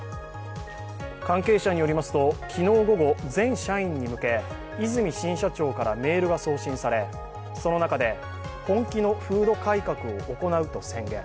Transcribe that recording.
関係者によりますと、昨日午後、全社員に向け和泉新社長からメールが送信されその中で、本気の風土改革を行うと宣言。